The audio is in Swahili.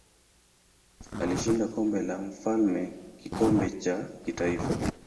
Alishinda Kombe la Mfalme kikombe cha kitaifa.